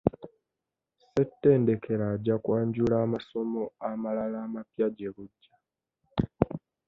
Ssettendekero ajja kwanjula amasomo amalala amapya gye bujja.